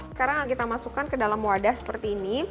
sekarang kita masukkan ke dalam wadah seperti ini